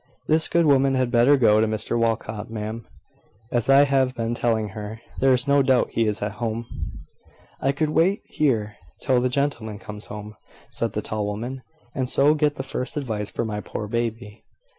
"This good woman had better go to Mr Walcot, ma'am, as I have been telling her. There's no doubt he is at home." "I could wait here till the gentleman comes home," said the tall woman; "and so get the first advice for my poor baby.